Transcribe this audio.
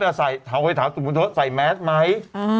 เอาให้ถามสมมติใส่แม็กซ์ไหม